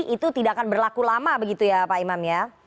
itu tidak akan berlaku lama begitu ya pak imam ya